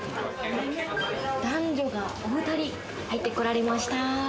男女がお２人、入ってこられました。